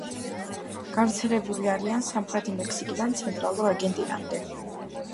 გავრცელებული არიან სამხრეთი მექსიკიდან ცენტრალურ არგენტინამდე.